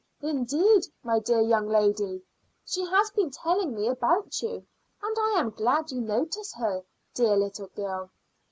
"Indeed, my dear young lady, she has been telling me about you; and I am glad you notice her, dear little girl!"